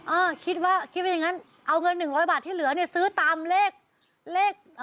เออคิดว่าคิดว่าอย่างนั้นเอาเงิน๑๐๐บาทที่เหลือเนี่ยซื้อตามเลข